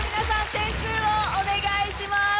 点数をお願いします。